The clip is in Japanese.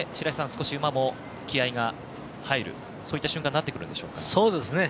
少し馬も気合いが入るそういった瞬間になってくるでしょうか？